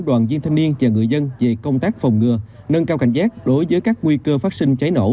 đoàn viên thanh niên và người dân về công tác phòng ngừa nâng cao cảnh giác đối với các nguy cơ phát sinh cháy nổ